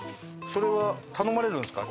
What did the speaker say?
それは頼まれるんですか？